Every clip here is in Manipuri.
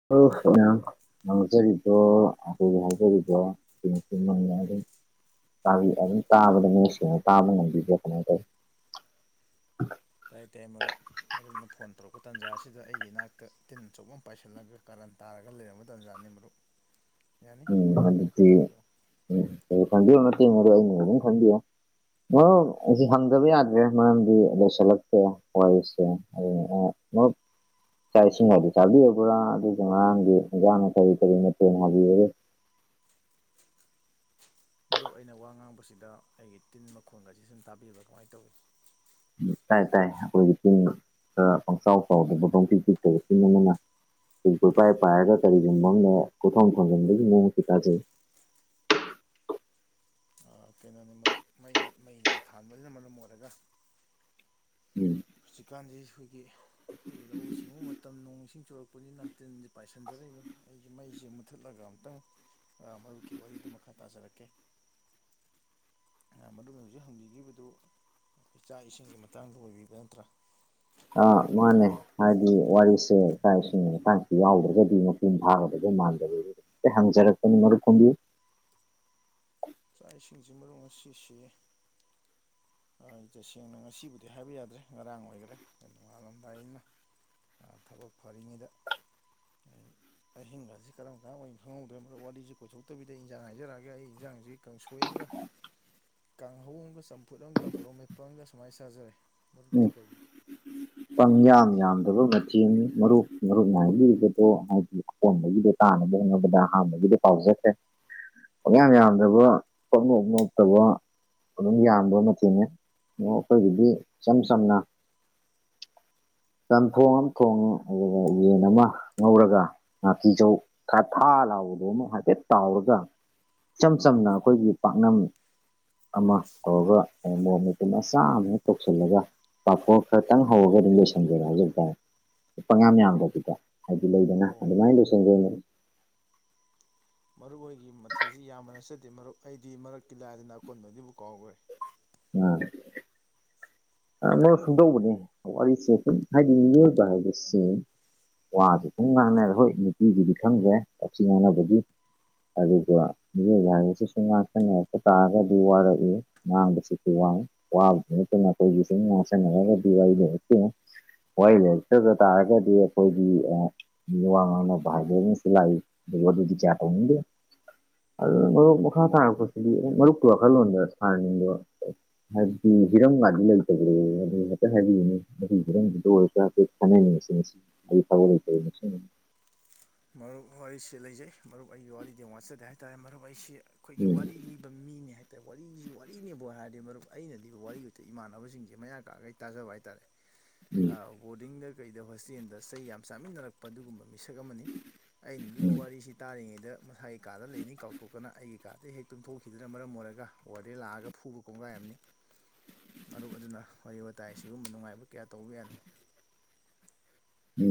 [unintelligible] ꯇꯥꯕꯤ ꯑꯗꯨꯝ ꯇꯥꯕꯗ ꯃꯌꯦꯛ ꯁꯦꯡꯅ ꯇꯥꯕ ꯉꯝꯕꯤꯕ꯭ꯔ ꯀꯃꯥꯏ ꯇꯧꯏ ꯇꯥꯏ ꯇꯥꯏ ꯃꯔꯨꯞ ꯃꯔꯨꯞꯅ ꯐꯣꯟ ꯇꯧꯔꯛꯄ ꯇꯥꯟꯖꯥꯁꯤꯗ ꯑꯩꯒꯤ ꯏꯅꯥꯛꯇ ꯇꯤꯟ ꯑꯆꯧꯕ ꯑꯃ ꯄꯥꯏꯁꯤꯜꯂꯒ ꯀꯔꯟ ꯇꯥꯔꯒ ꯂꯩꯔꯝꯕ ꯇꯥꯟꯖꯥꯅꯤ ꯃꯔꯨꯞ [inaudible] ꯌꯥꯅꯤ ꯋꯥꯔꯤ ꯗꯨꯝ ꯃꯈꯥ ꯑꯗꯨꯗꯤ ꯇꯥꯕꯤꯔꯛꯎ ꯎꯝ [unintelligible] ꯑꯩꯅꯤ ꯑꯗꯨꯝ ꯈꯟꯕꯤꯌꯨ ꯃꯔꯨꯞ ꯑꯩꯖꯦ ꯍꯪꯗꯕ ꯌꯥꯗ꯭ꯔꯦ ꯃꯔꯝꯗꯤ ꯂꯣꯏꯁꯤꯜꯂꯛꯇ꯭ꯔꯦ ꯋꯥꯔꯤꯁꯦ ꯑꯗꯨꯗꯨꯅ [unintelligible] ꯆꯥꯛ ꯏꯁꯤꯡ ꯒꯗꯤ ꯆꯥꯕꯤꯔꯕ꯭ꯔꯥ ꯑꯗꯨꯒ ꯉꯔꯥꯡꯒꯤ ꯏꯪꯖꯥꯡꯅ ꯀꯔꯤ ꯀꯔꯤ ꯃꯊꯦꯜ ꯍꯥꯕꯤꯔꯒꯦ ꯃꯔꯨꯞ ꯑꯩꯅ ꯋꯥ ꯉꯥꯡꯕꯁꯤꯗ ꯑꯩꯒꯤ ꯇꯤꯟ ꯃꯈꯣꯡꯒ ꯑꯁꯤ ꯁꯨꯝ ꯇꯥꯕꯤꯕ ꯀꯃꯥꯏ ꯇꯧꯏ ꯇꯥꯏ ꯇꯥꯏ ꯑꯈꯣꯏꯒꯤ ꯇꯤꯟ ꯈꯔ ꯄꯪꯆꯥꯎ ꯆꯥꯎꯗꯕ ꯄꯪꯄꯤꯛ ꯄꯤꯛꯇꯕ ꯇꯤꯟ ꯑꯃꯅ ꯁꯨꯝ ꯀꯣꯏꯄꯥꯏ ꯄꯥꯏꯔꯒ ꯀꯔꯤꯒꯨꯝꯕ ꯑꯝꯅ ꯀꯨꯏꯊꯣꯡ ꯊꯣꯡꯖꯤꯟꯕꯒꯤ ꯃꯑꯣꯡꯁꯨ ꯇꯥꯖꯩ ꯑꯥ ꯀꯩꯅꯣꯅꯤ ꯃꯔꯨꯞ ꯃꯩ ꯃꯩꯩꯅꯨꯡ ꯊꯥꯟꯕꯅꯤꯅ ꯃꯔꯝ ꯑꯣꯏꯔꯒ [inaudible] ꯍꯨꯖꯤꯛꯀꯥꯟꯖꯦ ꯈꯣꯏꯒꯤ ꯄꯨꯒꯤ ꯂꯧꯎ ꯁꯤꯡꯎ ꯃꯇꯝ ꯃꯇꯝ ꯅꯣꯡ ꯏꯁꯤꯡ ꯆꯨꯔꯛꯄꯅꯤꯅ ꯇꯤꯟꯖꯦ ꯄꯥꯏꯁꯤꯟꯖꯔꯛꯏꯅꯤ ꯑꯩꯖꯦ ꯃꯩꯖꯦ ꯃꯨꯠꯊꯠꯂꯒ ꯑꯝꯇꯪ ꯑꯥ ꯃꯔꯨꯞꯀꯤ ꯋꯥꯔꯤꯗꯨ ꯃꯈꯥ ꯇꯥꯖꯔꯛꯀꯦ ꯃꯔꯨꯞꯅ ꯍꯧꯖꯤꯛ ꯍꯪꯕꯤꯒꯤꯕꯗꯨ ꯈꯣꯏ ꯆꯥꯛ ꯏꯁꯤꯡꯒꯤ ꯃꯇꯥꯡꯗ ꯑꯣꯏꯕꯤꯕ꯭ꯔ ꯇ꯭ꯔꯥ ꯑ ꯃꯥꯟꯅꯦ ꯍꯥꯏꯗꯤ ꯋꯥꯔꯤꯁꯦ ꯆꯥꯛ ꯏꯁꯤꯡꯒꯤ ꯃꯇꯥꯡꯁꯤ ꯌꯥꯎꯗ꯭ꯔꯒꯗꯤ ꯃꯄꯨꯡ ꯐꯥꯗꯒ ꯃꯥꯟꯗ ꯍꯪꯖꯔꯅꯤ ꯃꯔꯨꯞ ꯈꯨꯝꯕꯤꯌꯨ ꯆꯥꯛ ꯏꯁꯤꯡꯖꯦ ꯃꯔꯨꯞ ꯉꯁꯤꯁꯦ ꯑꯥ ꯖꯁꯦꯡꯅ ꯉꯁꯤꯕꯨꯗꯤ ꯍꯥꯏꯕ ꯌꯥꯗ꯭ꯔꯦ ꯉꯔꯥꯡ ꯑꯣꯏꯒ꯭ꯔꯦ ꯅꯣꯡꯉꯥꯜꯂꯝꯗꯥꯏ ꯅꯤꯅ ꯑꯥ ꯊꯕꯛ ꯐꯔꯤꯉꯩꯗ ꯑꯍꯤꯡꯒꯖꯦ ꯀꯔꯝ ꯀꯥꯟ ꯑꯣꯏ ꯈꯪꯍꯧꯗ꯭ꯔꯦ ꯃꯔꯨꯞ ꯋꯥꯔꯤꯖꯤ ꯀꯣꯏꯊꯣꯛꯇꯕꯤꯗ ꯏꯟꯖꯥꯡ ꯍꯥꯏꯖꯔꯛꯑꯒꯦ ꯑꯩ ꯏꯟꯖꯥꯡꯖꯤ ꯀꯥꯡꯁꯣꯏ ꯑꯝꯒ [inaudible] ꯀꯥꯡꯍꯧ ꯑꯝꯒ ꯆꯝ ꯐꯨꯠ ꯑꯝꯒ ꯃꯣꯔꯣꯛ ꯃꯦꯠꯄꯝꯒ ꯁꯨꯃꯥꯏ ꯆꯥꯖꯔꯦ ꯃꯔꯨꯞꯇꯤ ꯀꯩ ꯀꯩ ꯄꯪꯌꯥꯝ ꯆꯥꯕꯤ ꯌꯥꯝꯗꯕ ꯃꯠ ꯆꯦꯡꯉꯤ ꯃꯔꯨꯞ- ꯃꯔꯨꯞ ꯅꯥꯕꯤꯕꯗꯣ ꯍꯥꯏꯗꯤ ꯑꯀꯣꯟꯕꯒꯤꯗꯣ ꯇꯥꯅꯕ ꯍꯣꯠꯅꯕꯗ ꯑꯍꯥꯟꯕꯒꯤꯗꯣ ꯄꯥꯎꯖꯈ꯭ꯔꯦ ꯄꯪꯌꯥꯝ ꯌꯥꯝꯗꯕ ꯄꯪ ꯅꯣꯞ ꯅꯣꯞꯇꯕ ꯑꯗꯨꯝ ꯌꯥꯝꯕ ꯃꯊꯦꯜꯅꯦ ꯑ ꯑꯩꯈꯣꯏꯒꯤꯗꯤ ꯏꯆꯝ ꯆꯝꯅ ꯆꯝꯊꯣꯡ ꯑꯃ ꯊꯣꯡꯉꯦ ꯑꯗꯨꯒ ꯌꯦꯟ ꯑꯃ ꯉꯧꯔꯒ ꯉꯥꯀꯤꯖꯧ ꯊꯥ -ꯊꯥ ꯂꯥꯎꯕꯗꯣ ꯑꯃ ꯍꯥꯏꯐꯦꯠ ꯇꯥꯎꯔꯒ ꯏꯆꯝ ꯆꯝꯅ ꯑꯩꯈꯣꯏꯒꯤ ꯄꯥꯛꯅꯝ ꯑꯃ ꯇꯧꯔꯒ ꯃꯣꯔꯣꯛ ꯃꯦꯠꯄ ꯃꯆꯥ ꯑꯃ ꯍꯦꯛ ꯇꯧꯁꯤꯜꯂꯒ ꯄꯥꯐꯣ ꯈꯔ ꯈꯤꯇꯪ ꯍꯥꯎꯔꯒ ꯑꯗꯨꯝ ꯂꯩꯁꯤꯟꯖꯔꯦ ꯍꯥꯢꯖꯕꯇꯥꯔꯦ ꯄꯪꯌꯥꯝꯌꯥꯝꯗꯕꯤꯗ ꯍꯥꯏꯗꯤ ꯂꯩꯗꯅ ꯑꯣ ꯑꯗꯨꯃꯥꯏꯅ ꯂꯣꯢꯁꯤ ꯟꯒ꯭ꯔꯤꯅꯤ ꯃꯔꯨꯞ ꯑꯣꯏꯒꯤ ꯃꯊꯦꯜꯁꯤ ꯌꯥꯝꯕ ꯅꯆꯗꯦ ꯃꯔꯨꯞ ꯑꯩꯗꯤ ꯃꯔꯛꯀꯤꯂꯥꯏꯗꯅ ꯑꯀꯣꯟꯕꯩꯗꯤꯕꯨ ꯀꯥꯎꯒ꯭ꯔꯦ ꯉꯥ ꯅꯣꯏ ꯁꯨꯡꯗꯧꯕꯅꯦ ꯋꯥꯔꯤꯁꯦ ꯍꯥꯏꯗꯤ ꯃꯤꯑꯣꯏꯕ ꯍꯥꯏꯕꯁꯤ ꯋꯥꯁꯦ ꯁꯨꯝ ꯉꯥꯡꯅꯔꯦ ꯍꯣꯏ ꯅꯨꯄꯤꯒꯤꯗꯤ ꯈꯪꯗ꯭ꯔꯦ ꯋꯥꯊꯤ ꯉꯥꯡꯅꯕꯒꯤ ꯑꯗꯨꯒ ꯌꯥꯔꯤꯁꯤꯁꯨ ꯉꯥꯛꯇꯅꯦ ꯍꯦꯛꯇ ꯇꯥꯔꯒꯗꯤ ꯋꯥꯔꯛꯏ ꯉꯥꯡꯕꯁꯤꯁꯨ ꯋꯥꯢ ꯋꯥꯕꯗꯨ ꯅꯠꯇ ꯅꯈꯣꯏꯒꯤ ꯁꯨꯝ ꯉꯥꯎꯁꯟꯅꯔꯒꯗꯤ ꯋꯥꯔꯤꯗ ꯑꯝꯇꯌꯦꯉꯣ ꯋꯥꯍꯩ ꯂꯩꯔꯛꯇꯕ ꯇꯥꯔꯒꯗꯤ ꯑꯩꯈꯣꯏꯒꯤ ꯑ ꯃꯤꯋꯥ ꯉꯥꯡꯅꯕ ꯍꯥꯢꯕꯑꯃꯁꯨ ꯂꯥꯛꯏ ꯑꯗꯨ ꯀꯌꯥ ꯇꯧꯅꯤꯡꯗꯦ ꯑꯗꯨꯅ ꯃꯔꯨꯞ ꯃꯈꯥ ꯇꯥꯔꯛꯄꯁꯤꯗꯤ ꯃꯔꯨꯞꯀꯤ ꯋꯥꯈꯜꯂꯣꯟꯗ ꯁꯥꯅꯅꯤꯡꯕ꯭ꯔꯣ ꯍꯥꯏꯕꯗꯤ ꯍꯤꯔꯝꯒꯥꯟꯗ ꯇ ꯑꯗꯨ [unintelligible] ꯍꯥꯢꯐꯦꯠ ꯍꯥꯢꯕꯤꯌꯨꯅꯦ ꯑꯗꯨ ꯈꯤꯇꯪ ꯑꯣꯢꯁꯨ ꯍꯥꯏꯐꯦꯠ ꯐꯥꯎꯅꯁꯤ ꯉꯁꯤ ꯑꯩ ꯐꯥꯎꯕꯂꯩꯇꯦ [unintelligible] ꯆꯕ ꯃꯔꯨꯞ ꯋꯥꯔꯤꯁꯤ ꯂꯩꯖꯩ ꯃꯔꯨꯞ ꯑꯩꯒꯤ ꯋꯥꯔꯤꯗꯤ ꯋꯥꯠꯆꯗꯦ ꯍꯥꯏꯇꯥꯔꯦ ꯃꯔꯨꯞ ꯑꯩꯁꯤ ꯑꯩꯈꯣꯏꯒꯤ ꯎꯝ ꯋꯥꯔꯤ ꯂꯤꯕ ꯃꯤꯅꯤ ꯍꯥꯏ ꯋꯥꯔꯤꯁꯤ ꯋꯥꯔꯤꯅꯦꯕ ꯍꯥꯏꯔꯗꯤ ꯃꯔꯨꯝ ꯑꯩꯅꯗꯤ ꯋꯥꯔꯤ ꯎꯗ ꯏꯃꯥꯟꯅꯕꯁꯤꯡꯁꯦ ꯃꯌꯥ ꯀꯥꯒꯩ ꯇꯥꯖꯕ ꯍꯥꯏꯇꯥꯥꯔꯦ ꯕꯣꯔꯗꯤꯡꯗ ꯀꯩꯗ ꯍꯣꯁꯇꯦꯜꯗ ꯆꯩ ꯌꯥꯝ ꯆꯥꯃꯤꯟꯅꯔꯛꯄ ꯑꯗꯨꯒꯨꯝꯕ ꯃꯤꯁꯛ ꯑꯃꯅꯤ ꯑꯩꯅ ꯎꯝ ꯂꯤꯕꯨ ꯎꯝ ꯋꯥꯔꯤꯁꯤ ꯇꯥꯔꯤꯉꯩꯗ ꯃꯁꯥꯒꯤ ꯀꯥꯗ ꯂꯩꯅꯤ ꯀꯥꯎꯊꯣꯛꯀꯅ ꯑꯩꯒꯤ ꯀꯥꯔꯗ ꯍꯦꯛ ꯇꯨꯝꯊꯣꯛꯈꯤꯗꯨꯅ ꯃꯔꯝ ꯑꯣꯏꯔꯒ ꯑꯣꯔꯗꯦꯟ ꯂꯥꯛꯑꯒ ꯐꯨꯕ ꯀꯣꯡꯒꯥꯏꯑꯝꯅꯤ [unintelligible] ꯃꯔꯨꯞ ꯑꯗꯨꯅ ꯋꯥꯔꯤ ꯋꯥꯇꯥꯏ ꯁꯤꯒꯨꯝꯕ ꯅꯨꯡꯉꯥꯏꯕ ꯀꯌꯥ ꯇꯧꯕ ꯌꯥꯅꯤ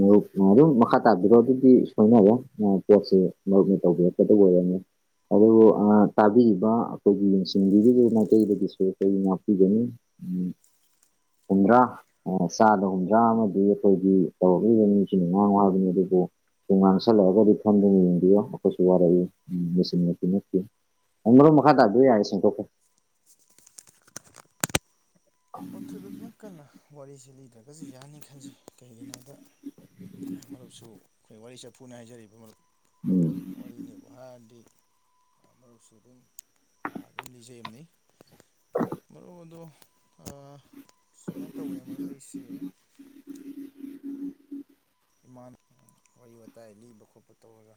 ꯃꯔꯨꯞ ꯑꯗꯨꯝ ꯃꯈꯥ ꯇꯥꯕꯤꯔꯛꯑꯣ ꯑꯗꯨꯗꯤ ꯁꯣꯏꯅꯔꯦ ꯄꯣꯠꯁꯦ ꯃꯔꯨꯞꯅ ꯇꯧꯕꯤꯔꯛꯄꯗ ꯑꯣꯏꯔꯝꯃꯦ ꯑꯗꯨꯕꯨ ꯇꯥꯕꯤꯔꯤꯕ ꯑꯩꯈꯣꯏꯒꯤ ꯌꯦꯡꯁꯤꯟꯕꯤꯔꯤꯕ ꯃꯥꯏꯀꯩꯗꯒꯤꯁꯨ ꯑꯩꯈꯣꯏ ꯉꯥꯛꯄꯤꯒꯅꯤ ꯎꯝ ꯍꯨꯝꯗ꯭ꯔꯥ ꯆꯥꯗ ꯍꯨꯝꯗ꯭ꯔꯥ ꯑꯃꯗꯤ ꯑꯩꯈꯣꯏꯒꯤ ꯇꯧꯔꯛꯏꯅꯦ ꯅꯤꯡꯊꯤꯅꯉꯥꯡꯉꯨ ꯍꯥꯏꯕꯅꯤ ꯑꯗꯨꯒ ꯇꯨꯝ ꯉꯥꯡꯁꯜꯂꯛꯑꯒꯗꯤꯔꯤ ꯐꯝꯗꯨꯝ ꯌꯦꯡꯕꯤꯌꯣ ꯑꯩꯈꯣꯏꯁꯨ ꯋꯥꯔꯛꯏ ꯌꯦꯡꯁꯤꯟꯕꯃꯛꯇꯤ ꯅꯠꯇꯦ ꯑꯩ ꯃꯔꯣꯝ ꯃꯈꯥ ꯇꯥꯗꯣꯏ ꯌꯥꯔꯦ ꯁꯦꯡꯗꯣꯛꯀꯦ ꯅꯊꯨꯗꯣꯛꯀꯟꯅ ꯋꯥꯔꯤꯁꯤ ꯂꯤꯗ꯭ꯔꯒꯁꯨ ꯌꯥꯅꯤ ꯈꯟꯖꯩ ꯀꯩꯒꯤꯅꯣꯗ ꯃꯔꯨꯞꯁꯨ ꯑꯩꯈꯣꯏ ꯋꯥꯔꯤ ꯆꯐꯨꯅꯦ ꯍꯥꯏꯖꯔꯤꯕ ꯃꯔꯨꯞ ꯎꯝ ꯋꯥꯔꯤꯅꯦꯕꯨ ꯍꯥꯢꯔꯗꯤ ꯃꯔꯨꯞꯁꯨ ꯑꯗꯨꯝ -ꯑꯗꯨꯝ ꯂꯤꯖꯩꯔꯤꯅꯤ ꯃꯔꯨꯞ ꯑꯗꯣ ꯁꯨꯃꯥꯏꯅ ꯇꯧꯕꯅꯦ ꯃꯔꯨꯞ ꯑꯩꯁꯦ ꯏꯃꯥꯟ ꯋꯥꯔꯤ ꯋꯥꯇꯥꯏ ꯂꯤꯕ ꯈꯣꯠꯄ ꯇꯧꯔꯒ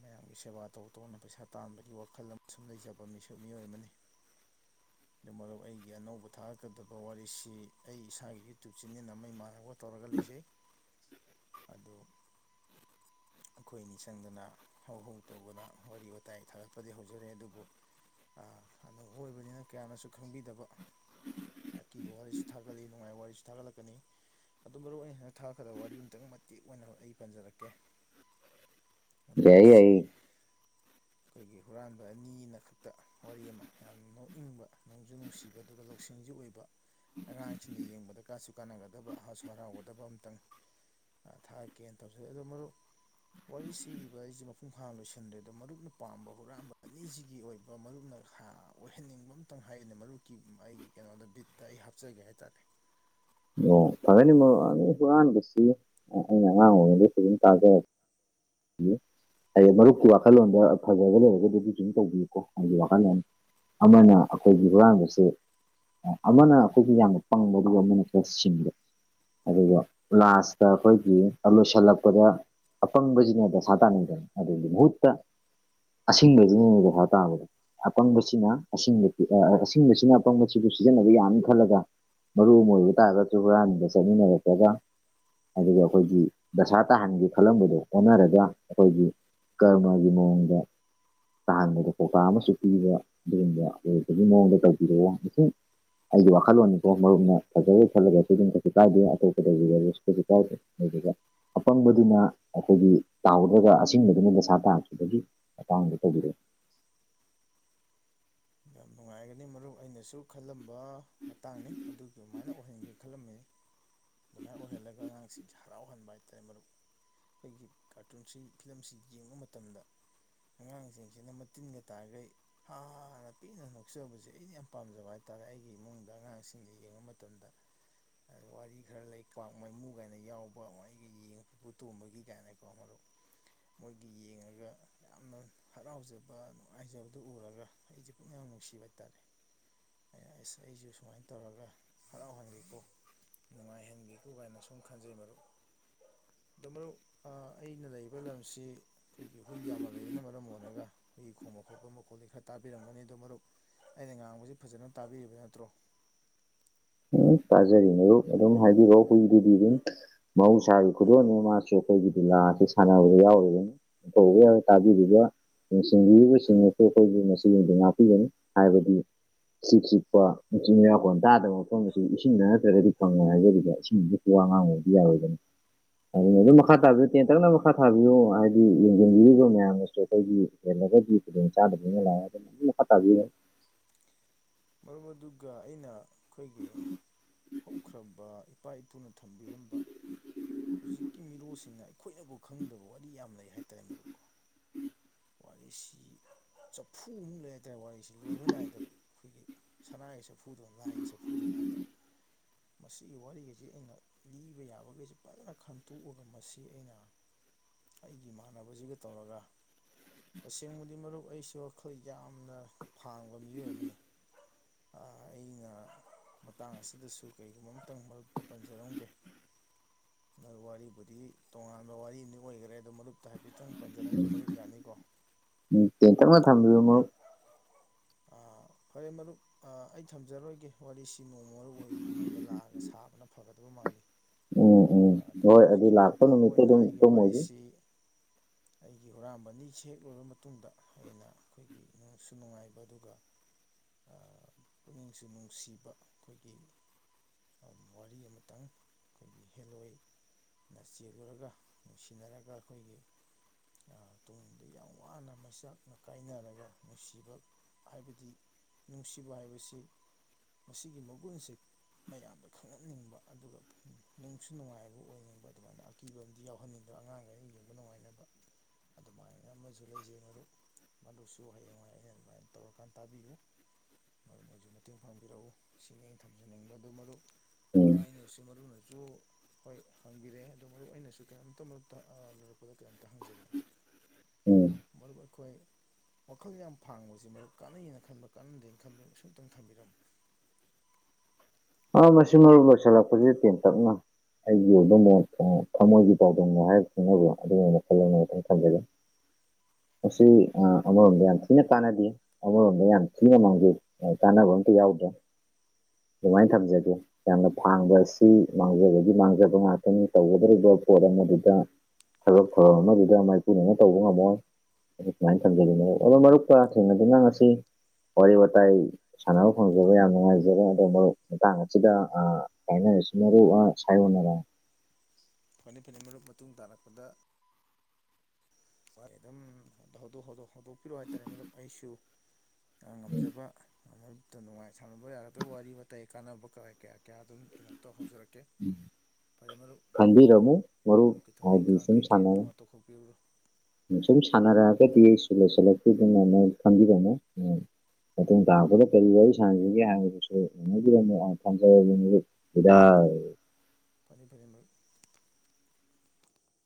ꯃꯌꯥꯝꯒꯤ ꯁꯦꯕꯥ ꯇꯧ ꯇꯧꯅ ꯄꯩꯁꯥ ꯇꯥꯟꯕꯒꯤ ꯋꯥꯈꯜ ꯑꯃ ꯁꯨꯝ ꯂꯩꯖꯕ ꯃꯤꯁꯨ ꯃꯤꯑꯣꯏ ꯑꯃꯅꯤ [unintelligible] ꯑꯗꯨ ꯃꯔꯨꯞ ꯑꯩꯒꯤ ꯑꯅꯧꯕ ꯊꯥꯔꯛꯀꯗꯕ ꯋꯥꯔꯤꯁꯤ ꯑꯩ ꯏꯁꯥꯒꯤ ꯌꯨꯇꯨꯞ ꯆꯦꯅꯦꯜ ꯑꯃ ꯏꯃꯥꯟꯅꯕꯒ ꯇꯧꯔꯒ ꯂꯩꯖꯩ ꯑꯗꯨ ꯑꯩꯈꯣꯏ ꯅꯤ ꯆꯪꯗꯅ ꯍꯧ ꯍꯧ ꯇꯧꯕꯅ ꯋꯥꯔꯤ ꯋꯥꯇꯥꯏ ꯊꯥꯒꯠꯄꯗꯤ ꯍꯧꯖꯔꯦ ꯑꯗꯨꯕꯨ ꯑ ꯑꯅꯧꯕ ꯑꯣꯏꯕꯅꯤꯅ ꯀꯌꯥꯅꯁꯨ ꯈꯪꯕꯤꯗꯕ ꯑꯀꯤꯕ ꯋꯥꯔꯤꯁꯨ ꯊꯥꯒꯠꯂꯤ ꯅꯨꯡꯉꯥꯏꯕ ꯋꯥꯔꯤꯁꯨ ꯊꯥꯒꯠꯂꯛꯀꯅꯤ ꯑꯗꯨ ꯃꯔꯨ ꯑꯩꯍꯥ [unintelligible] ꯊꯥ ꯈꯒ ꯋꯥꯔꯤ ꯑꯝꯇꯪ ꯃꯇꯦꯛ ꯑꯣꯏꯅ ꯑꯩ ꯄꯟꯖꯔꯛꯀꯦ ꯃꯔꯨꯞ ꯌꯥꯏꯌꯦ ꯑꯩꯁꯦ ꯌꯥꯏꯌꯦ ꯑꯩꯈꯣꯏꯒꯤ ꯍꯨꯔꯥꯟꯕ ꯑꯅꯤꯅ ꯈꯛꯇ ꯋꯥꯔꯤ ꯑꯃ ꯌꯥꯝ ꯅꯣꯛꯅꯤꯡꯕ ꯅꯣꯡꯖꯨ ꯅꯨꯡꯁꯤꯕ ꯗꯨꯒ ꯂꯧꯁꯤꯡꯖꯨ ꯑꯣꯏꯕ ꯑꯉꯥꯡꯁꯤꯡꯅ ꯌꯦꯡꯕꯗ ꯀꯥꯁꯨ ꯀꯥꯟꯅꯒꯗꯕ ꯍꯁꯨ ꯍꯔꯥꯎꯒꯗꯕ ꯑꯝꯇꯪ ꯊꯥꯒꯠꯀꯦꯅ ꯇꯧꯖꯔꯦ ꯑꯗꯣ ꯃꯔꯨꯞ ꯋꯥꯔꯤꯁꯤ ꯏꯕ ꯍꯥꯏꯁꯦ ꯃꯄꯨꯡ ꯐꯥꯅ ꯂꯣꯏꯁꯤꯟꯗ꯭ꯔꯤꯗ ꯃꯔꯨꯞꯅ ꯄꯥꯝꯕ ꯍꯨꯔꯥꯟꯕ ꯑꯅꯤꯁꯤꯒꯤ ꯑꯣꯏꯕ ꯃꯔꯨꯞꯅ ꯍ ꯑꯣꯏꯍꯟꯅꯤꯡꯕ ꯑꯝꯇꯪ ꯍꯥꯏꯌꯨꯅꯦ ꯃꯔꯨꯞꯀꯤ ꯑꯩꯒꯤ ꯀꯩꯅꯣꯗ ꯕꯤꯠꯇ ꯑꯩ ꯍꯥꯞꯆꯒꯦ ꯍꯥꯏꯇꯥꯔꯦ ꯑꯣ ꯐꯒꯅꯤ ꯃꯔꯨꯨꯨꯨꯨ ꯍꯨꯔꯥꯟꯕꯁꯤ ꯑꯩꯅ ꯑꯉꯥꯡ ꯑꯣꯏꯔꯤꯉꯩꯗꯩ ꯐꯖꯅ ꯇꯥꯖ [unintelligible] ꯍꯥꯏꯗꯤ ꯃꯔꯨꯞꯀꯤ ꯋꯥꯈꯜꯂꯣꯟꯗ ꯐꯖꯕ ꯂꯩꯔꯒꯗꯤ ꯑꯗꯨꯖꯨ ꯗꯨꯝ ꯇꯧꯕꯤꯌꯨꯀꯣ ꯑꯩꯒꯤ ꯋꯥꯈꯜꯅꯦ ꯑꯃꯅ ꯑꯩꯈꯣꯏꯒꯤ ꯍꯨꯔꯥꯟꯕꯁꯦ ꯑꯃꯅ ꯑꯩꯈꯣꯏꯒꯤ ꯌꯥꯝꯅ ꯄꯪꯕꯒꯤ ꯑꯗꯨꯒ ꯑꯃꯅ ꯁꯤꯡꯖ ꯑꯗꯨꯒ ꯂꯥꯁꯇ ꯑꯩꯈꯣꯏꯒꯤ ꯂꯣꯏꯁꯜꯂꯛꯄꯗ ꯑꯄꯪꯕꯖꯤꯅ ꯗꯁꯥ ꯇꯥꯅꯩꯗꯅ ꯑꯗꯨꯒꯤ ꯃꯍꯨꯠ ꯇꯥ ꯑꯁꯤꯡꯕꯖꯤꯅ ꯑꯣꯏꯅ ꯗꯁꯥ ꯇꯥꯕꯗꯣ ꯑꯄꯪꯕꯁꯤꯅ ꯑꯁꯤꯡꯕ ꯑꯁꯤꯡꯕꯁꯤꯅ ꯑꯄꯪꯕꯁꯤꯕꯨ ꯁꯤꯖꯤꯟꯅꯕ ꯌꯥꯅꯤ ꯈꯜꯂꯒ ꯃꯔꯨꯞ ꯑꯃ ꯑꯣꯏꯕ ꯇꯥꯔꯒꯁꯨ ꯍꯨꯔꯥꯟꯕꯗ ꯆꯠꯃꯤꯟꯅꯔꯛꯄꯒ ꯑꯗꯨꯒ ꯑꯩꯈꯣꯏꯒꯤ ꯗꯁꯥ ꯇꯥꯍꯟꯒꯤ ꯈꯜꯂꯝꯕꯗꯣ ꯑꯣꯟꯅꯔꯒ ꯑꯈꯣꯏꯒꯤ ꯀꯔꯃꯒꯤ ꯃꯑꯣꯡꯗ ꯇꯥꯍꯟꯕꯗꯣ ꯄꯧꯇꯥꯥꯛ ꯑꯃꯁꯨ ꯄꯤꯕ ꯑꯗꯨꯒꯨꯝꯕ ꯂꯣꯏꯕꯒꯤ ꯃꯑꯣꯡꯗ ꯇꯧꯕꯤꯔꯛ ꯑꯣ ꯁꯨꯝ ꯑꯩꯒꯤ ꯋꯥꯈꯜꯂꯣꯟꯅꯤꯀꯣ ꯃꯔꯨꯞꯅ ꯐꯖꯗꯤ ꯈꯜꯂꯒꯁꯨ ꯑꯗꯨꯝ ꯀꯩꯁꯨ ꯀꯥꯏꯗꯦ ꯑꯇꯣꯞꯄꯗꯒꯤ ꯂꯧꯔꯁꯨ ꯀꯩꯁꯨ ꯀꯥꯏꯗꯦ ꯑꯗꯨꯗꯨꯒ ꯑꯄꯪꯕꯗꯨꯅ ꯑꯩꯈꯣꯏꯒꯤ ꯇꯥꯎꯗ꯭ꯔꯒ ꯑꯁꯤꯡꯕꯗꯨꯅ ꯗꯁꯥ ꯇꯥꯈꯤꯕꯒꯤ ꯃꯇꯥꯡꯗ ꯇꯧꯕꯤꯔꯦ ꯌꯥꯝ ꯅꯨꯡꯉꯥꯏꯒꯅꯤ ꯃꯔꯨꯞ ꯑꯩꯅꯁꯨ ꯈꯜꯂꯝꯕ ꯃꯇꯥꯡꯅꯤ ꯑꯗꯨꯗꯨꯃꯥꯏꯅ ꯑꯣꯏꯍꯟꯒꯦ ꯈꯜꯂꯝꯃꯤꯅꯤ ꯑꯗꯨꯃꯥꯏ ꯑꯣꯏꯍꯜꯂꯒ ꯑꯉꯥꯡꯁꯤꯡꯁꯦ ꯍꯔꯥꯎꯍꯟꯕ ꯍꯥꯏꯇꯥꯔꯦ ꯃꯔꯨꯞ ꯑꯩꯈꯣꯏꯒꯤ ꯀꯥꯔꯇꯨꯟꯁꯤ ꯐꯤꯂꯝꯁꯤ ꯌꯦꯡꯕ ꯃꯇꯝꯗ ꯑꯉꯥꯡꯁꯤꯡꯁꯤꯅ ꯃꯇꯤꯟꯒ ꯇꯥꯒꯩ ꯍꯥ ꯍꯥ ꯅ ꯄꯦꯟꯅ ꯅꯣꯛꯆꯕꯁꯦ ꯑꯩꯅ ꯌꯥꯝ ꯄꯥꯝꯖꯕ ꯍꯥꯏꯇꯥꯥꯔꯦ ꯑꯩꯒꯤ ꯏꯃꯨꯡꯗ ꯑꯉꯥꯡꯁꯤꯡꯅ ꯌꯦꯡꯕ ꯃꯇꯝꯗ ꯋꯥꯔꯤ ꯈꯔ ꯂꯩ ꯀ꯭ꯋꯥꯛ ꯃꯥꯏꯃꯨ ꯀꯥꯏꯅ ꯌꯥꯎꯕ ꯋꯥꯏꯒ ꯌꯦꯡ ꯄꯨꯄꯨ ꯇꯣꯝꯕꯒꯤ ꯀꯥꯏꯅ ꯀꯣ ꯃꯔꯨꯞ ꯃꯣꯏꯒꯤ ꯌꯦꯡꯉꯒ ꯌꯥꯝꯅ ꯍꯔꯥꯎꯖꯕ ꯅꯨꯡꯉꯥꯏꯖꯕꯗꯨ ꯎꯔꯒ ꯑꯩꯖꯦ ꯄꯨꯛꯅꯤꯡ ꯌꯥꯝ ꯅꯨꯡꯁꯤꯕ ꯍꯥꯏꯇꯥꯥꯔꯦ ꯑꯩꯅ ꯑꯁ ꯑꯩꯖꯦ ꯁꯨꯃꯥꯏ ꯇꯧꯔꯒ ꯍꯔꯥꯎꯍꯟꯒꯦꯀꯣ ꯅꯨꯡꯉꯥꯏꯍꯟꯒꯦꯀꯣ ꯀꯥꯏꯅ ꯁꯨꯝ ꯈꯟꯖꯩ ꯃꯔꯨꯞ [inaudible] ꯗꯨ ꯃꯔꯨꯞ ꯑ ꯑꯩꯅ ꯂꯩꯕ ꯂꯝꯁꯤ ꯑꯩꯈꯣꯏꯒꯤ ꯍꯨꯏ ꯌꯥꯝꯅ ꯂꯩꯕꯅ ꯃꯔꯝ ꯑꯣꯏꯔꯒ ꯑꯩꯈꯣꯏꯒꯤ ꯈꯣꯡꯕ ꯈꯣꯠꯄ ꯃꯈꯣꯜꯗꯤ ꯈꯔ ꯇꯥꯕꯤꯔꯝꯒꯅꯤ ꯑꯗꯨ ꯃꯔꯨꯞ ꯑꯩꯅ ꯉꯥꯡꯕꯖꯦ ꯐꯖꯅ ꯇꯥꯕꯤꯔꯤꯕ ꯅꯠꯇ꯭ꯔꯣ ꯎꯝ ꯇꯥꯖꯔꯤ ꯃꯔꯨꯞ ꯑꯗꯨꯝ ꯍꯥꯏꯕꯤꯔꯣ ꯍꯨꯏꯗꯨꯗꯤ ꯑꯗꯨꯝ ꯃꯍꯧꯁꯥꯒꯤ ꯈꯨꯗꯣꯜꯅꯦ ꯃꯥꯁꯨ ꯑꯈꯣꯏꯒꯤ ꯂꯤꯂꯥꯁꯦ ꯁꯥꯟꯅꯕꯗ ꯌꯥꯎꯔꯤꯕꯅꯤ ꯇꯧꯒꯦ [unintelligible] ꯇꯥꯕꯤꯔꯤꯕ ꯌꯦꯡꯁꯤꯟꯕꯤꯔꯤꯕꯁꯤꯡꯅꯁꯨ ꯑꯈꯣꯏꯕꯨ ꯉꯁꯤꯒꯤꯗꯤ ꯉꯥꯛꯄꯤꯒꯅꯤ ꯍꯥꯏꯕꯗꯨ ꯆꯤꯛ ꯆꯤꯛꯄ ꯃꯤꯆꯤꯛ ꯃꯤꯔꯥꯎꯈꯣꯟ ꯇꯥꯗꯕ ꯃꯐꯝ ꯑꯁꯤ ꯏꯁꯤꯡꯗ ꯅꯠꯇ꯭ꯔꯒꯗꯤ ꯐꯪꯉꯣꯏ ꯍꯥꯏꯖꯔꯤꯕ ꯏꯁꯤꯡꯖꯤ ꯋꯥ ꯉꯥꯡꯉꯨꯕꯗꯤ ꯌꯥꯔꯣꯏꯗꯕꯅꯤ ꯑꯗꯨꯅ ꯑꯗꯨꯝ ꯃꯈꯥ ꯇꯥꯕꯤꯌꯨ ꯇꯦꯟꯇꯛꯅ ꯃꯈꯥ ꯇꯥꯕꯤꯌꯨ ꯍꯥꯏꯗꯤ ꯌꯦꯡ ꯌꯦꯡꯕꯤꯔꯤꯕ ꯃꯌꯥꯝꯅꯁꯨ ꯑꯈꯣꯏꯒꯤ ꯍꯦꯜꯂꯒꯗꯤ ꯈꯨꯗꯣꯡꯆꯥꯗꯕꯅ ꯂꯥꯛꯑꯒ ꯑꯗꯨꯝ ꯃꯈꯥꯇꯥꯕꯤꯌꯨ ꯃꯔꯝ ꯑꯗꯨꯒ ꯑꯩꯅ ꯑꯈꯣꯏꯒꯤ ꯍꯧꯈ꯭ꯔꯕ ꯏꯄꯥ ꯏꯄꯨꯅ ꯊꯝꯕꯤꯔꯝꯕ ꯍꯧꯖꯤꯛꯀꯤ ꯃꯤꯔꯣꯜꯁꯤꯡꯅ ꯑꯩꯈꯣꯏꯅꯕꯨ ꯈꯪꯗꯕ ꯋꯥꯔꯤ ꯌꯥꯝ ꯂꯩ ꯍꯥꯏꯇꯥꯔꯦ ꯃꯔꯨꯞ ꯀꯣ ꯋꯥꯔꯤꯁꯤ ꯆꯐꯨꯃꯨꯛ ꯂꯩ ꯍꯥꯏꯇꯥꯔꯦ ꯋꯥꯔꯤꯁꯤ ꯂꯣꯏꯕ ꯅꯥꯏꯗꯕ ꯑꯩꯈꯣꯏꯒꯤ ꯁꯅꯥꯒꯤ ꯆꯐꯨꯗꯧꯅ ꯂꯥꯏꯒꯤ ꯆꯥꯐꯨꯗꯧꯅ ꯍꯥꯏꯇꯥꯔꯦ ꯃꯁꯤꯒꯤ ꯋꯥꯔꯤꯈꯩꯖꯤ ꯑꯩꯅ ꯂꯤꯕ ꯌꯥꯕꯒꯩꯁꯤ ꯐꯖꯅ ꯈꯟꯇꯣꯛꯑꯒ ꯃꯁꯤ ꯑꯩꯅ ꯑꯩꯒꯤ ꯏꯃꯥꯟꯅꯕꯖꯤꯒ ꯇꯧꯔꯒ ꯇꯁꯦꯡꯕꯗꯤ ꯃꯔꯨꯞ ꯑꯩꯁꯨ ꯋꯥꯈꯜ ꯌꯥꯝꯅ ꯐꯥꯡꯕ ꯃꯤꯑꯣꯏ ꯑꯃꯅꯤ ꯑꯥ ꯑꯩꯅ ꯃꯇꯥꯡ ꯑꯁꯤꯗꯁꯨ ꯀꯔꯤꯒꯨꯝꯕ ꯑꯃꯇꯪ ꯃꯔꯨꯞꯇ ꯄꯟꯖꯔꯝꯒꯦ ꯅ ꯋꯥꯔꯤꯕꯨꯗꯤ ꯇꯣꯉꯥꯟꯕ ꯋꯥꯔꯤ ꯑꯝꯗꯤ ꯑꯣꯏꯒꯔꯦ ꯑꯗꯣ ꯃꯔꯨꯞꯇ ꯍꯥꯏꯐꯦꯠꯇꯪ ꯄꯟꯖꯔꯝꯒꯦ ꯃꯔꯨꯞ ꯌꯥꯅꯤꯀꯣ ꯎꯝ ꯇꯦꯟꯇꯛꯅ ꯊꯝꯕꯤꯌꯨ ꯃꯔꯨꯞ ꯑꯥ ꯐꯔꯦ ꯃꯔꯨꯞ ꯑꯥ ꯑꯩ ꯊꯝꯖꯔꯣꯏꯒꯦ ꯋꯥꯔꯤꯁꯤ ꯅꯣꯡꯃ ꯃꯔꯨꯞ ꯍꯣꯏ ꯏꯃꯨꯡꯗ ꯂꯥꯛꯑꯒ ꯁꯥꯕꯅ ꯐꯒꯗꯕ ꯃꯥꯜꯂꯤ ꯎꯝ ꯎꯝ ꯑꯥ ꯑꯗꯨꯕꯨ ꯍꯣꯏ ꯑꯗꯨ ꯍꯧꯖꯤꯛꯀꯤ ꯃꯈꯥ ꯂꯥꯛꯄ ꯇꯥꯕ ꯅꯨꯃꯤꯠꯇꯨ ꯑꯣꯏꯅ ꯑꯗꯨꯝ ꯑꯩꯒꯤ ꯇꯨꯝꯃꯨꯒꯤ ꯋꯥꯔꯤꯁꯤ ꯑꯩꯒꯤ ꯍꯨꯔꯥꯟꯕ ꯑꯅꯤ ꯁꯦꯛ ꯂꯨꯔꯕ ꯃꯇꯨꯡꯗ ꯑꯩꯅ ꯑꯈꯣꯏꯒꯤ ꯅꯨꯡꯁꯨ ꯅꯨꯡꯉꯥꯏꯕ ꯑꯗꯨꯒ ꯑꯥ ꯄꯨꯛꯅꯤꯡꯁꯨ ꯅꯨꯡꯁꯤꯕ ꯑꯈꯣꯏꯒꯤ ꯑꯥ ꯋꯥꯔꯤ ꯑꯃꯇꯪ ꯑꯈꯣꯏꯒꯤ ꯍꯦꯜꯂꯣꯏ ꯅ ꯆꯦꯜꯂꯨꯔꯒ ꯅꯨꯡꯁꯤꯅꯔꯒ ꯑꯈꯣꯏꯒꯤ ꯑꯥ ꯇꯨꯡꯗ ꯌꯥꯝ ꯋꯥꯅ ꯃꯩꯆꯥꯛꯅ ꯀꯥꯏꯅꯔꯒ ꯅꯨꯡꯁꯤꯕ ꯍꯥꯏꯕꯗꯤ ꯅꯨꯡꯁꯤꯕ ꯍꯥꯏꯕꯁꯤ ꯃꯁꯤꯒꯤ ꯃꯒꯨꯟꯁꯦ ꯃꯌꯥꯝꯗ ꯈꯪꯍꯟꯅꯤꯡꯕ ꯑꯗꯨꯒ ꯅꯨꯡꯁꯨ ꯅꯨꯡꯉꯥꯏꯕ ꯑꯣꯏꯅꯤꯡꯕ ꯑꯗꯨꯃꯥꯏꯅ ꯑꯀꯤꯕ ꯑꯝꯗꯤ ꯌꯥꯎꯍꯟꯅꯤꯡꯗꯕ ꯑꯉꯥꯡꯒꯩ ꯌꯦꯡꯕ ꯅꯨꯡꯉꯥꯏꯅꯕ ꯑꯗꯨꯃꯥꯏꯅ ꯑꯃꯁꯨ ꯂꯩꯖꯩ ꯃꯔꯨꯞ ꯃꯗꯨꯁꯨ ꯍꯌꯦꯡꯋꯥꯏ ꯑꯩꯅ ꯑꯗꯨꯃꯥꯏꯟ ꯇꯧꯔꯀꯥꯟ ꯇꯥꯕꯤꯌꯨ ꯃꯔꯨꯞ ꯍꯣꯏꯁꯨ ꯃꯇꯦꯡ ꯄꯥꯡꯕꯤꯔꯛꯎ ꯁꯤꯅꯤ ꯊꯝꯖꯅꯤꯡꯕ ꯑꯗꯨ ꯃꯔꯨꯞ ꯎꯝ ꯑꯩꯅ ꯁꯤ ꯃꯔꯨꯞꯅꯖꯨ ꯍꯣꯏ ꯍꯪꯕꯤꯔꯛꯑꯦ ꯑꯗꯣ ꯃꯔꯨꯞ ꯑꯩꯅꯁꯨ ꯀꯩꯅꯣꯝꯇ ꯃꯔꯨꯞꯇ ꯑꯥ ꯂꯣꯏꯔꯛꯄꯗꯣ ꯀꯩꯅꯣꯝꯇ ꯍꯪꯖꯒꯦ ꯎꯝ ꯃꯔꯨꯞ ꯑꯈꯣꯏ ꯋꯥꯈꯜ ꯌꯥꯝ ꯐꯥꯡꯕꯁꯤ ꯃꯔꯨꯞ ꯀꯥꯟꯅꯩꯅ ꯈꯟꯕ꯭ꯔꯥ ꯀꯥꯟꯅꯗꯦ ꯊꯝꯕꯤꯔꯝꯃꯨ ꯁꯤꯝꯇꯪ ꯊꯝꯕꯤꯔꯝꯃꯨ ꯑꯥ ꯃꯁꯤ ꯃꯔꯨꯞ ꯂꯣꯏꯁꯤꯜꯂꯛꯄꯖꯤ ꯇꯦꯟ ꯇꯛꯅ ꯑꯩꯒꯤ ꯑꯣꯏꯕ ꯃꯣꯠꯇ ꯊꯃꯣꯏꯒꯤ ꯄꯥꯎꯗꯝ ꯍꯥꯏꯔ ꯈꯪꯅꯕ ꯑꯗꯨꯒꯨꯝꯕ ꯋꯥꯈꯜ ꯑꯃꯇꯪ ꯊꯝꯖꯒꯦ ꯑꯁꯤ ꯑꯥ ꯑꯃꯔꯣꯝꯗ ꯌꯥꯝ ꯊꯤꯅ ꯀꯥꯟꯅꯗꯦ ꯑꯃꯔꯣꯝꯗ ꯌꯥꯝ ꯊꯤꯅ ꯃꯥꯡꯖꯩ ꯑꯥ ꯀꯥꯟꯅꯕ ꯑꯝꯇ ꯌꯥꯎꯗ꯭ꯔꯦ ꯑꯗꯨꯃꯥꯏꯟ ꯊꯝꯖꯒꯦ ꯌꯥꯝꯅ ꯐꯥꯡꯕ ꯑꯁꯤ ꯃꯥꯡꯖꯕꯒꯤ ꯃꯥꯡꯖꯕ ꯉꯥꯛꯇꯅꯤ ꯇꯧꯒꯗꯧꯔꯤꯕ ꯄꯣꯠ ꯑꯃꯗꯨꯗ ꯊꯕꯛ ꯊꯧꯔꯝ ꯑꯃꯗꯨꯗ ꯃꯥꯏꯄꯨꯅꯅ ꯇꯧꯕ ꯉꯝꯃꯣꯏ ꯑꯗꯨ ꯁꯨꯃꯥꯏꯟ ꯊꯝꯖꯒꯦ ꯑꯗꯣ ꯃꯔꯨꯞꯀ ꯊꯦꯡꯅꯗꯨꯅ ꯉꯁꯤ ꯋꯥꯔꯤ ꯋꯥꯇꯥꯏ ꯁꯥꯟꯅꯕ ꯐꯪꯖꯕ ꯌꯥꯝ ꯅꯨꯡꯉꯥꯏꯖꯔꯦ ꯑꯗꯨꯕꯨ, ꯃꯇꯥꯡ ꯑꯁꯤꯗ ꯑꯥ ꯀꯥꯏꯅꯔꯁꯤ ꯃꯔꯨꯞ ꯑꯥ ꯁꯥꯏꯌꯣꯟꯅꯔ꯫ ꯐꯅꯤ ꯐꯅꯤ ꯃꯔꯨꯞ ꯃꯇꯨꯡ ꯇꯥꯔꯛꯄꯗ ꯑꯗꯨꯝ ꯍꯧꯗꯣꯛ ꯍꯧꯗꯣꯛ ꯍꯧꯗꯣꯛꯄꯤꯔꯣꯑꯣ ꯍꯥꯏꯇꯥꯔꯦ ꯃꯔꯨꯞ ꯑꯩꯁꯨ꯫ ꯑꯥ ꯉꯝꯖꯕ, ꯑꯃꯠꯇ ꯅꯨꯡꯉꯥꯏ ꯁꯥꯟꯅꯕ ꯌꯥꯒꯗꯕ ꯋꯥꯔꯤ ꯋꯥꯇꯥꯏ ꯀꯥꯟꯅꯕ ꯀꯌꯥ ꯀꯌꯥ ꯀꯌꯥ ꯑꯗꯨꯝ ꯀꯩꯅꯣ ꯇꯧ ꯍꯧꯖꯔꯛ ꯀꯦ ꯐꯔꯦ ꯃꯔꯨꯞ ꯑꯥ ꯈꯟꯕꯤꯔꯝꯃꯨ ꯃꯔꯨꯞ ꯃꯔꯨꯞꯀꯤ ꯊꯕꯛ ꯍꯥꯏꯗꯤ ꯏꯪꯈꯥꯡ ꯀꯩꯀꯩ ꯑꯃ ꯑꯃ ꯇꯧꯈꯣꯛꯄꯤꯔꯨꯔꯣ꯫ ꯁꯨꯨꯝ ꯁꯥꯟꯅꯔꯛꯑꯒꯗꯤ [unintelligible] ꯈꯪꯕꯤꯒꯅꯨ꯫ ꯃꯇꯨꯡ ꯇꯥꯔꯛꯄꯗ ꯀꯔꯤ ꯋꯥꯔꯤ ꯁꯥꯟꯁꯤꯒꯦ ꯍꯥꯏꯕꯗꯨꯁꯨ [unintelligible] ꯊꯝꯖꯔꯒꯦ ꯃꯔꯨꯞ꯫ [unintelligible] ꯐꯅꯤ ꯐꯅꯤ ꯃꯔꯨꯞ꯫